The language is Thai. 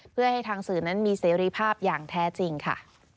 เพื่อให้ทางสื่อนั้นมีเสรีภาพอย่างแท้จริงค่ะ